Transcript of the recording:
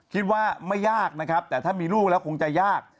คิดว่าไม่ยากนะครับแต่ถ้ามีลูกแล้วคงจะยาก